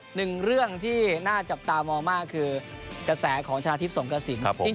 หนึ่งเรื่องที่น่าจับตามองมากคือกระแสของชนะทิพย์สงกระสิน